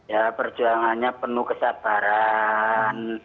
ya perjuangannya penuh kesataran